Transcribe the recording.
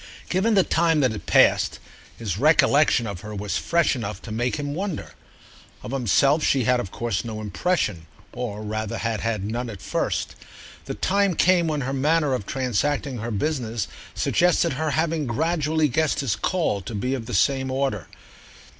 Given the time that had passed, his recollection of her was fresh enough to make him wonder. Of himself she had of course no impression, or rather had had none at first: the time came when her manner of transacting her business suggested her having gradually guessed his call to be of the same order.